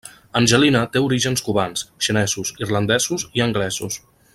Angelina té orígens cubans, xinesos, irlandesos i anglesos.